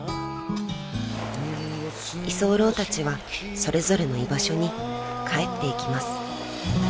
［居候たちはそれぞれの居場所に帰っていきます］